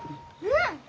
うん！